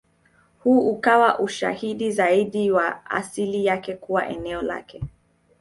Huu ukawa ushahidi zaidi wa asili yake kuwa eneo lake.